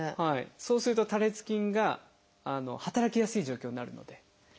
そうすると多裂筋が働きやすい状況になるので。